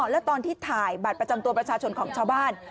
แล้วตอนที่ถ่ายบัตรประจำตัวประชาชนของชาวบ้าน